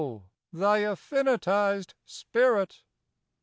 thy affinitized spirit."